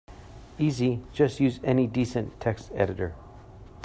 Easy, just use any decent text editor.